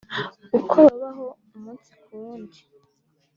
uko babaho umunsi ku munsi